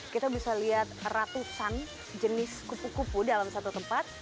kita bisa lihat ratusan jenis kupu kupu dalam satu tempat